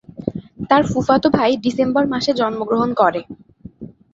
তার ফুফাতো ভাই ডিসেম্বর মাসে জন্মগ্রহণ করে।